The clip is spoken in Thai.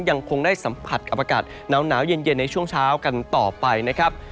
ยังคงได้สัมผัสกับอากาศหนาวเย็นในช่วงเช้ากันต่อไปนะครับ